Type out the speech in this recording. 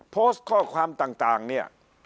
โพสต์ข้อความต่างเนี่ย